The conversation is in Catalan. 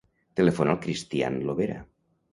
Telefona al Cristián Lobera.